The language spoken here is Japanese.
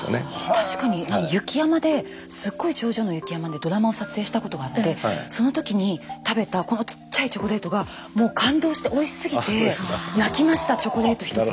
確かに雪山ですっごい頂上の雪山でドラマを撮影したことがあってその時に食べたちっちゃいチョコレートがもう感動しておいしすぎて泣きましたチョコレート１つで。